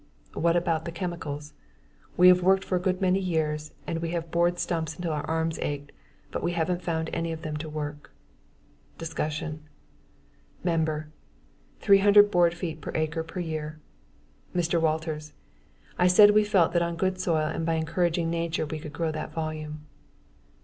What about the chemicals? We have worked for a good many years and we have bored stumps until our arms ached, but we haven't found any of them that work. Discussion MEMBER: 300 board feet per acre per year? MR. WALTERS: I said we felt that on good soil and by encouraging nature we can grow that volume.